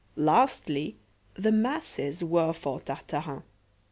Lastly, the masses were for Tartarin.